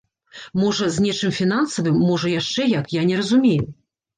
Можа, з нечым фінансавым, можа, яшчэ як, я не разумею.